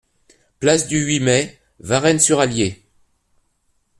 Place du huit Mai, Varennes-sur-Allier